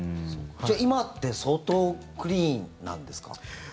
じゃあ今って相当クリーンなんですか？